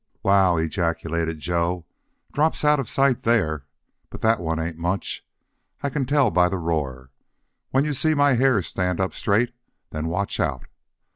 "Wow!" ejaculated Joe. "Drops out of sight there. But that one ain't much. I can tell by the roar. When you see my hair stand up straight then watch out!...